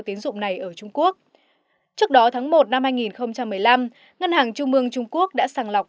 tiến dụng này ở trung quốc trước đó tháng một năm hai nghìn một mươi năm ngân hàng trung mương trung quốc đã sàng lọc